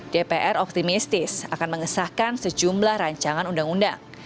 dpr optimistis akan mengesahkan sejumlah rancangan undang undang